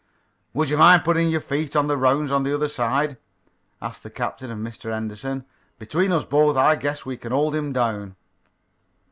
"Would you mind putting your feet on the rounds on the other side?" asked the captain of Mr. Henderson. "Between us both I guess we can hold him down."